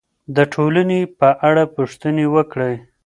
د ټولنې په اړه پوښتنې وکړئ.